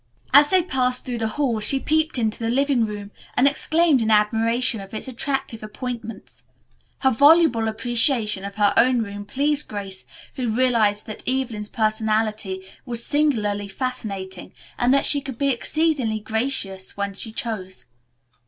As they passed through the hall she peeped into the living room and exclaimed in admiration of its attractive appointments. Her voluble appreciation of her own room pleased Grace, who realized that Evelyn's personality was singularly fascinating and that she could be exceedingly gracious when she chose.